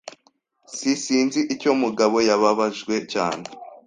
S Sinzi icyo Mugabo yababajwe cyane.